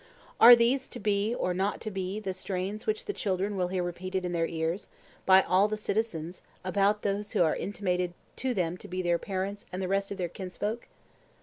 Are these to be or not to be the strains which the children will hear repeated in their ears by all the citizens about those who are intimated to them to be their parents and the rest of their kinsfolk?